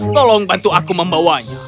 tolong bantu aku membawanya